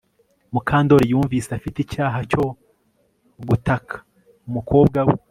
Mukandoli yumvise afite icyaha cyo gutaka umukobwa we